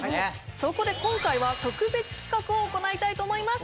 そこで今回は特別企画を行いたいと思います